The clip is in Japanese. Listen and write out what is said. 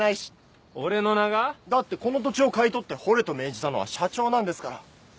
俺の名が？だってこの土地を買い取って掘れと命じたのは社長なんですから。